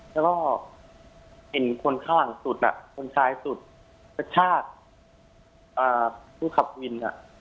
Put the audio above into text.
แล้วก็เห็นคนข้างหลังสุดคนซ้ายสุดกระชากผู้ขับวิน